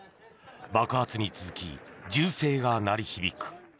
爆発に続き銃声が鳴り響く。